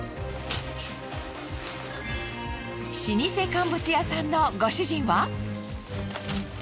老舗乾物屋さんのご主人は？